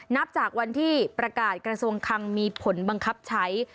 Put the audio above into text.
นับจากวันที่ประกาศกระทรวงคังมีผลบังคับใช้